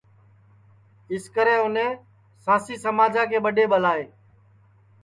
سکرے اُنیں سانسی سماجا کے ٻڈؔے ٻلائے